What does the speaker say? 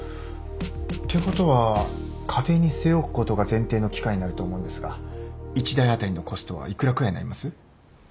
ということは家庭に据え置くことが前提の機械になると思うんですが１台当たりのコストは幾らくらいになります？